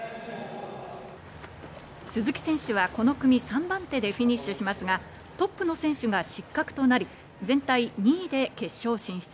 鈴木選手はこの組、３番手でフィニッシュしますが、トップの選手が失格となり、全体２位で決勝進出。